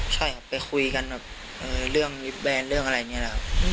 ใช่ครับไปคุยกันแบบเรื่องวิบแรนด์เรื่องอะไรอย่างนี้นะครับ